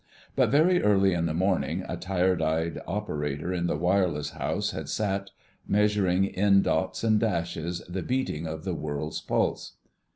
But very early in the morning a tired eyed Operator in the Wireless house had sat, measuring in dots and dashes the beating of the world's pulse.